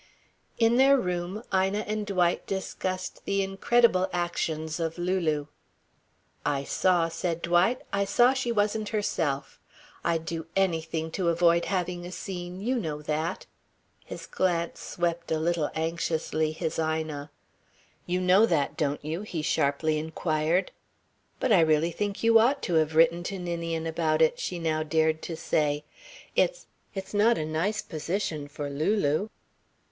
In their room, Ina and Dwight discussed the incredible actions of Lulu. "I saw," said Dwight, "I saw she wasn't herself. I'd do anything to avoid having a scene you know that." His glance swept a little anxiously his Ina. "You know that, don't you?" he sharply inquired. "But I really think you ought to have written to Ninian about it," she now dared to say. "It's it's not a nice position for Lulu."